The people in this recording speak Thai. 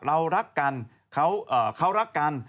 เรารักกันเขารักกัน